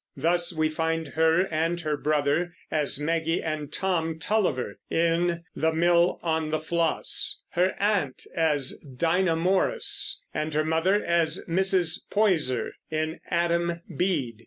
Thus we find her and her brother, as Maggie and Tom Tulliver, in The Mill on the Floss; her aunt, as Dinah Morris, and her mother, as Mrs. Poyser, in Adam Bede.